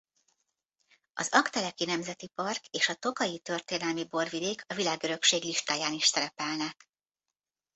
Az Aggteleki Nemzeti Park és a Tokaji Történelmi Borvidék a világörökség listáján is szerepelnek.